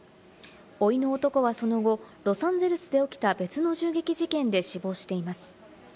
甥の男はその後、ロサンゼルスで起きた別の銃撃事件で死亡しています。